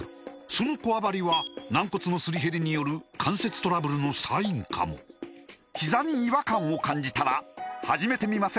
そのこわばりは軟骨のすり減りによる関節トラブルのサインかもひざに違和感を感じたら始めてみませんか